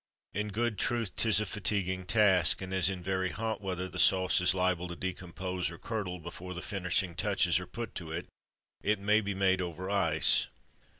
In good truth 'tis a "fatiguing" task; and as in very hot weather the sauce is liable to decompose, or "curdle," before the finishing touches are put to it, it may be made over ice.